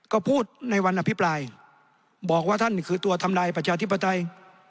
ก็พูดในวันอภิปรายบอกว่าท่านคือตัวทำลายประชาธิปไตย